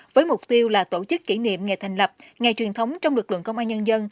với mục tiêu là tổ chức kỷ niệm ngày thành lập ngày truyền thống trong lực lượng công an nhân dân